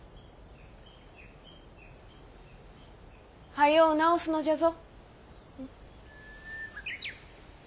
はよう治すのじゃぞ。